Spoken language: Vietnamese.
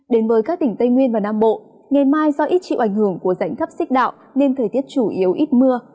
đến với các tỉnh tây nguyên và nam bộ ngày mai do ít chịu ảnh hưởng của rãnh thấp xích đạo nên thời tiết chủ yếu ít mưa